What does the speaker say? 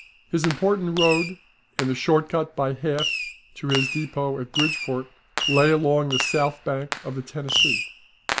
His important road, and the shortcut by half to his depot at Bridgeport, lay along the south bank of the Tennessee.